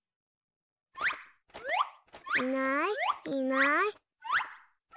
いないいない。